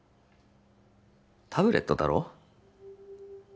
タブレットだろ？